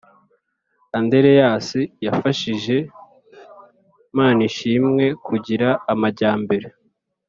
Andreas yafashije Manishimwe kugira amajyambere